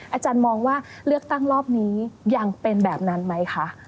อาจารย์มองว่าเลือกตั้งรอบนี้ยังเป็นแบบนั้นไหมคะ